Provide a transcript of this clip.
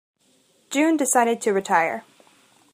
June decided to retire.